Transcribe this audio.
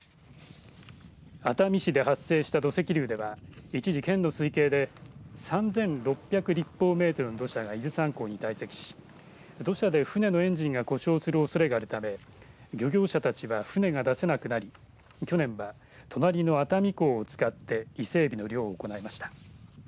熱海市で発生した土石流では一時、県の推計で３６００立方メートルの土砂が伊豆山港に堆積し土砂で船のエンジンが故障するおそれがあるため漁業者たちは船が出せなくなり去年は隣の熱海港を使って伊勢えびの漁を行いました。